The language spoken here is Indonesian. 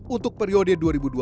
untuk periode dua ribu dua puluh